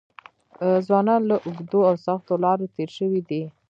ځوانان له اوږدو او سختو لارو تېر شوي دي.